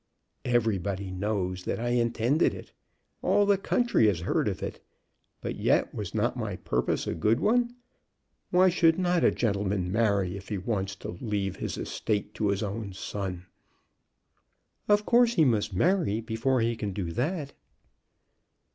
"Everybody knows that I intended it. All the country has heard of it. But yet was not my purpose a good one? Why should not a gentleman marry if he wants to leave his estate to his own son?" "Of course he must marry before he can do that."